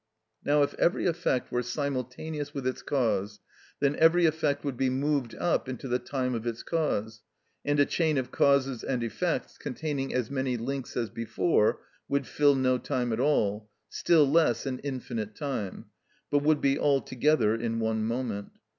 Now if every effect were simultaneous with its cause, then every effect would be moved up into the time of its cause, and a chain of causes and effects containing as many links as before would fill no time at all, still less an infinite time, but would be all together in one moment.